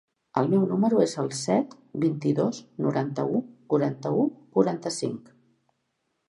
El meu número es el set, vint-i-dos, noranta-u, quaranta-u, quaranta-cinc.